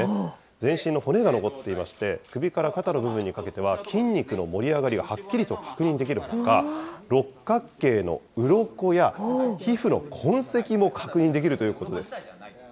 全身の骨が残っていまして、首から肩の部分にかけては、筋肉の盛り上がりがはっきりと確認できるほか、六角形のうろこや、皮膚の痕跡も確認できるということです。